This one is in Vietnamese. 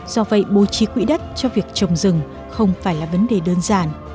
do vậy bố trí quỹ đất cho việc trồng rừng không phải là vấn đề đơn giản